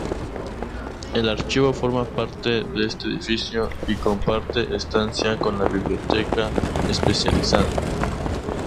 El Archivo forma parte de este edificio y comparte estancia con la Biblioteca especializada.